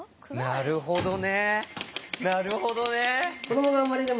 なるほどね！